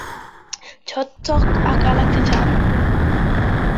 Chotok ak alak chechang.